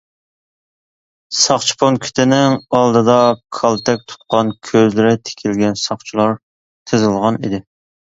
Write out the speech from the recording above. ساقچى پونكىتىنىڭ ئالدىدا كالتەك تۇتقان كۆزلىرى تىكىلگەن ساقچىلار تىزىلغان ئىدى.